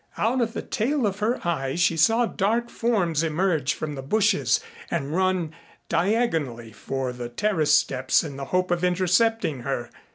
Out of the tail of her eye she saw dark forms emerge from the bushes and run diagonally for the terrace steps in the hope of intercepting her.